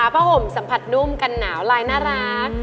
ผ้าห่มสัมผัสนุ่มกันหนาวลายน่ารัก